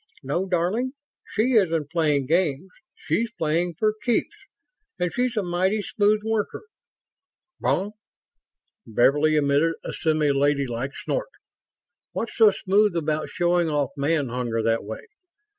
No, darling, she isn't playing games. She's playing for keeps, and she's a mighty smooth worker." "Huh!" Beverly emitted a semi ladylike snort. "What's so smooth about showing off man hunger that way?